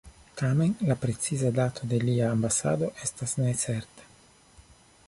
Tamen la preciza dato de lia ambasado estas necerta.